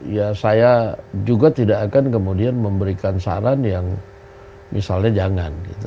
ya saya juga tidak akan kemudian memberikan saran yang misalnya jangan gitu